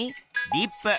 リップ。